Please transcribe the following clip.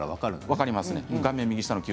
分かります。